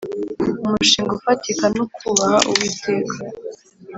Umushinga ufatika nukubaha uwiteka